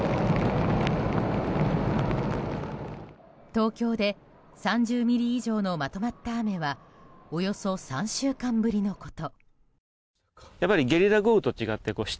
東京で３０ミリ以上のまとまった雨はおよそ３週間ぶりのこと。